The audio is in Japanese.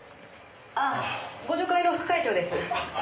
ああ互助会の副会長です。